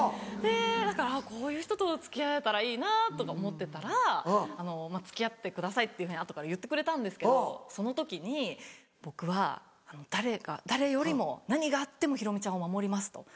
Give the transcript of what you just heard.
だからこういう人と付き合えたらいいなとか思ってたら「付き合ってください」って後から言ってくれたんですけどその時に「僕は誰よりも何があっても裕美ちゃんを守ります。